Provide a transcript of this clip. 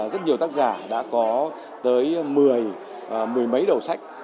rất nhiều tác giả đã có tới một mươi một mươi mấy đầu sách